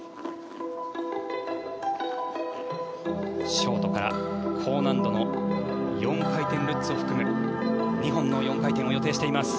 ショートから高難度の４回転ルッツ含む２本の４回転を予定しています。